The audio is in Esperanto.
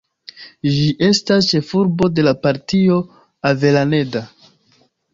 Ĝi estas ĉefurbo de la Partio Avellaneda.